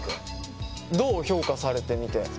どう評価されてみて。